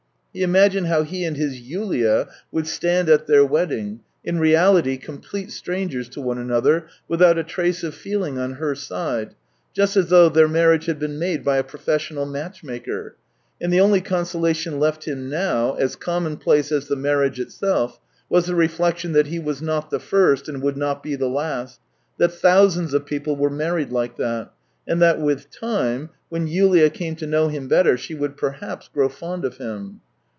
He imagined how he and his Yulia would stand at their wedding, in realit}' complete strangers to one another, without a trace of feeling on her side, just as though their marriage had been made by a professional matchmaker; and the only consolation left him now, as commonplace as the marriage itself, was the reflection that he was not the first, and would not be the last; that thousands of people were married like that; and that with time, when Yulia came to know him better, she would perhaps grow fond of him.